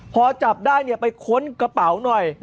พอจับได้ไปค้นกระเป๋าหน่อย